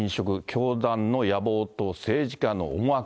教団の野望と政治家の思惑。